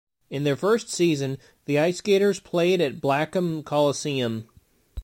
In their first season, the IceGators played at Blackham Coliseum.